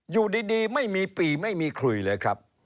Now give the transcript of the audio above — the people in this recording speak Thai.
อยู่ดีไม่มีปีไม่มีขลุยเลยครับ